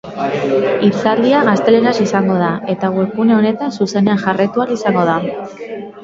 Hitzaldia gazteleraz izango da eta webgune honetan zuzenean jarraitu ahal izango da.